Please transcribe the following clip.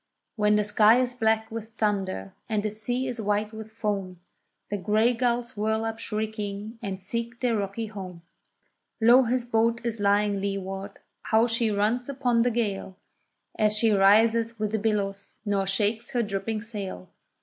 When the sky is black with thunder, and the sea is white with foam, The gray gulls whirl up shrieking and seek their rocky home, Low his boat is lying leeward, how she runs upon the gale, As she rises with the billows, nor shakes her dripping sail.